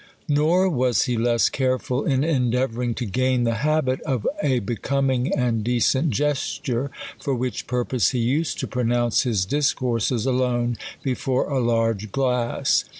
Nor was he less careful in endeavouring to gain the habit of a becoming and decent gesture; for which purpose he used to pronounce his discourses alone before a large glass.